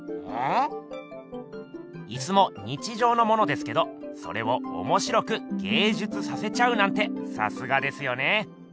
椅子も日じょうのものですけどそれをおもしろく芸術させちゃうなんてさすがですよね。